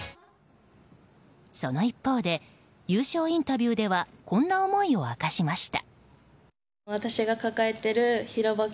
その一方で優勝インタビューではこんな思いを明かしました。